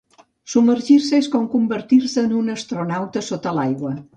Submergir-se és com convertir-se en un astronauta sota l'aigua.